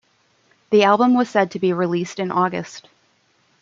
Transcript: The album was said to be released in August.